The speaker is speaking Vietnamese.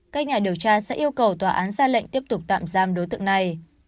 các nhà điều tra sẽ yêu cầu tòa án ra lệnh tiếp tục tạm giam đối tượng này